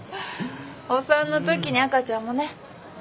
お産の時に赤ちゃんもね。